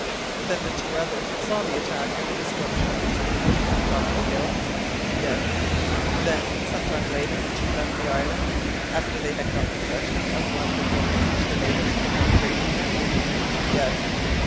"Then the two others saw the attack, and the destruction of the schooner, from the top of the hill?" "Yes." "Then, some time later, the two left the island, after they had got possession of one of the boats which the natives could not take from them?" "Yes."